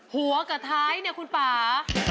หัวกับท้ายเนี่ยคุณป่า